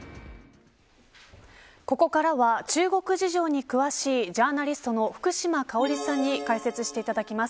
ここからは中国事情に詳しいジャーナリストの福島香織さんに解説していただきます。